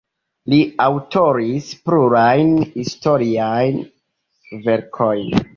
Li aŭtoris plurajn historiajn verkojn.